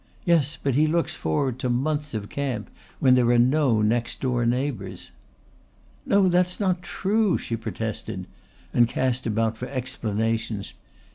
Yes, but he looks forward to the months of camp when there are no next door neighbours." "No, that's not true," she protested and cast about for explanations.